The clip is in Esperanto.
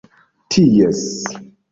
ties